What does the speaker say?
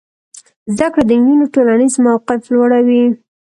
زده کړه د نجونو ټولنیز موقف لوړوي.